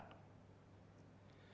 ketika bertumbuh gagasan dan kehendak